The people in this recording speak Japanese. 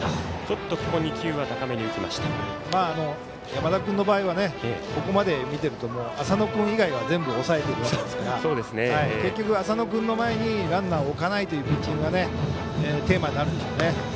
山田君の場合はここまで見てると浅野君以外は全部、抑えているわけですから結局、浅野君の前にランナーを置かないピッチングがテーマになるでしょうね。